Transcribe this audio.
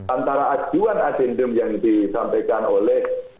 antara adjuan adendum yang disampaikan oleh